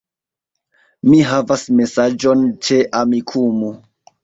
Mi havas mesaĝon ĉe Amikumu